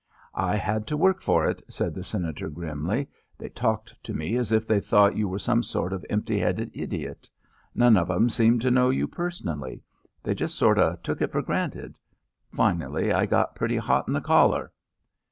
"I had to work for it," said the Senator grimly. "They talked to me as if they thought you were some sort of empty headed idiot. None of 'em seemed to know you personally. They just sort of took it for granted. Finally I got pretty hot in the collar."